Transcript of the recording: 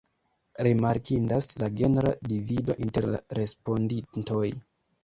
Rimarkindas la genra divido inter la respondintoj.